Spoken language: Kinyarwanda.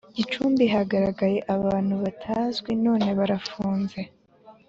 Gicumbi hagaragaye abantu batazwi none barafunze